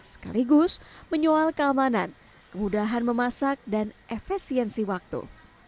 sekaligus menyoal keamanan kemudahan memasak dan efisiensi waktu